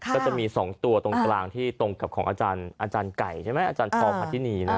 ก็จะมี๒ตัวตรงกลางที่ตรงกับของอาจารย์ไก่ใช่ไหมอาจารย์ทองผัธินีนะ